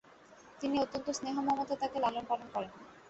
তিনি অত্যন্ত স্নেহ মমতায় তাকে লালন পালন করেন।